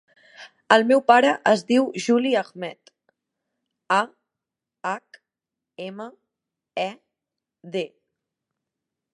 El meu pare es diu Juli Ahmed: a, hac, ema, e, de.